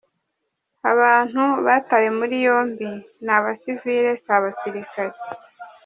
"Abantu batawe muri yombi ni abasivile, si abasirikare.